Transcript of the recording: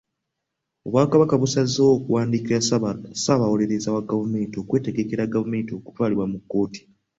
Obwakabaka busazeewo okuwandiikira Ssaabawolereza wa gavumenti okwetegekera gavumenti okutwalibwa mu kkooti.